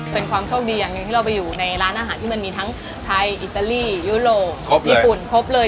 เป็นความโชคดีอย่างหนึ่งที่เราไปอยู่ในร้านอาหารที่มันมีทั้งไทยอิตาลียุโรปญี่ปุ่นครบเลย